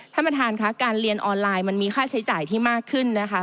ท่านประธานค่ะการเรียนออนไลน์มันมีค่าใช้จ่ายที่มากขึ้นนะคะ